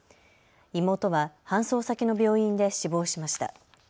妹は搬送先の病院で死亡しました。